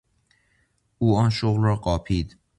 او آن شغل را قاپید.